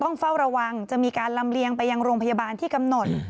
เฝ้าระวังจะมีการลำเลียงไปยังโรงพยาบาลที่กำหนด